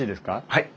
はい。